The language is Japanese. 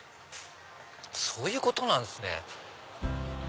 そういうことなんすね。